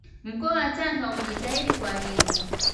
Mkoa wa Tanga umejitahidi kwa hilo